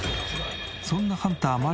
そんなハンター麻莉